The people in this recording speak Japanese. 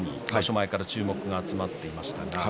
前から注目が集まっていました。